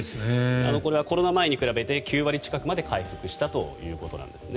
これはコロナ前に比べて９割近くまで回復したということです。